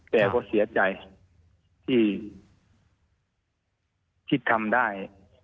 แกก็เสียใจที่คิดทำได้